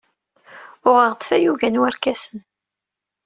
Uɣeɣ-d tayuga n warkasen.